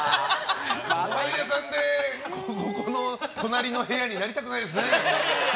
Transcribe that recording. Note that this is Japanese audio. ごはん屋さんでこの隣の部屋になりたくないですね。